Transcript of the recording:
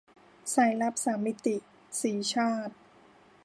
สายลับสามมิติ - สีชาติ